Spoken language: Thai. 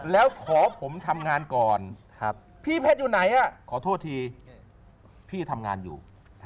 แล้วขอผมทำงานก่อนพี่เพชรอยู่ไหนขอโทษทีพี่ทำงานอยู่